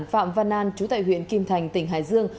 phạm văn an chú tại huyện kim thành tỉnh hải dương